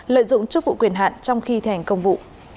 lợi dụng chức vụ quyền hạn trong khi thành công vụ